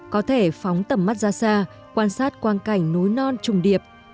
có thể phóng tầm mắt ra xa quan sát quan cảnh núi non trùng điệp